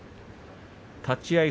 立ち合い